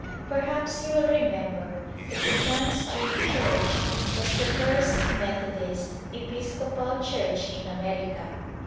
Perhaps you will remember that the John Street Church was the first Methodist Episcopal Church in America.